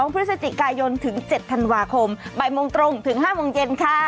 พฤศจิกายนถึง๗ธันวาคมบ่ายโมงตรงถึง๕โมงเย็นค่ะ